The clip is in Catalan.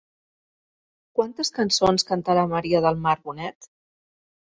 Quantes cançons cantarà Maria del Mar Bonet?